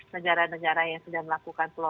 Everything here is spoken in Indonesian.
negara negara yang sedang melakukan masker